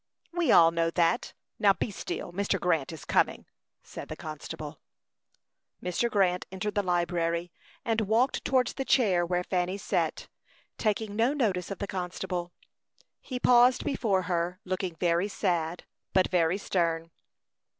"We all know that. Now, be still; Mr. Grant is coming," said the constable. Mr. Grant entered the library, and walked towards the chair where Fanny sat, taking no notice of the constable. He paused before her, looking very sad, but very stern.